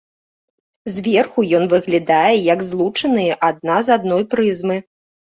Зверху ён выглядае як злучаныя адна з адной прызмы.